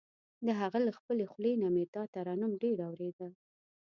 د هغه له خپلې خولې نه مې دا ترنم ډېر اورېده.